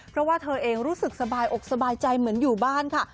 เพราะว่าเธอเองรู้สึกสบายอกสบายใจเหมือนอยู่บ้านค่ะ